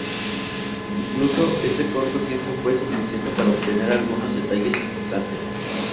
Incluso ese corto tiempo fue suficiente para obtener algunos detalles importantes.